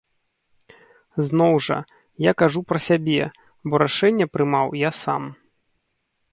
Зноў жа, я кажу пра сябе, бо рашэнне прымаў я сам.